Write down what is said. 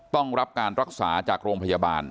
ต้องรับการรักษาจากโรงพยาบาล